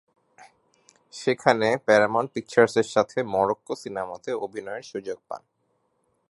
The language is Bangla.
সেখানে প্যারামাউন্ট পিকচার্স-এর সাথে মরক্কো সিনেমাতে অভিনয়ের সুযোগ পান।